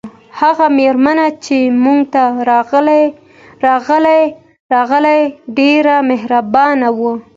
هغه میرمن چې موږ ته راغله ډیره مهربانه وه